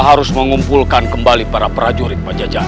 harus mengumpulkan kembali para prajurit penjajahan